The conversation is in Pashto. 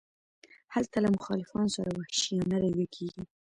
هلته له مخالفانو سره وحشیانه رویه کیږي.